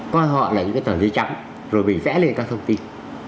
coi họ là những cái tờ giấy trắng rồi bị vẽ lên các thông tin